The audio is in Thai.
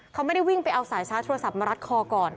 เขาไม่ได้วิ่งไปเอาสายชาร์จโทรศัพท์มารัดคอก่อน